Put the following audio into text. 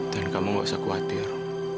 dan kamu nggak usah khawatir